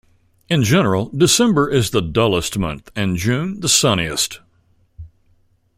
In general, December is the dullest month and June the sunniest.